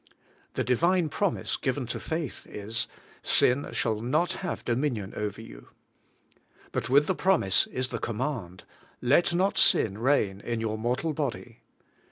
The Divine promise given to faith is: 'Sin shall not have dominion over you.' But with the promise is the command : 'Let not sin reign in your mortal body.'